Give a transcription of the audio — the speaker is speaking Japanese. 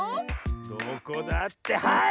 どこだってはい！